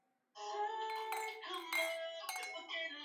ya ajabu na usiku wa mahiri Ukosefu